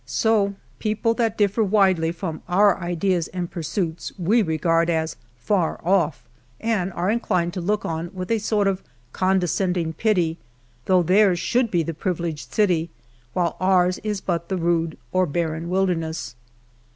So people that differ widely from our ideas and pursuits we regard as '' far off'," and are inclined to look on with a sort of condescending pity, though theirs should be the privileged city, while ours is but the rude or barren wilder ness.